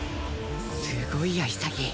すごいや潔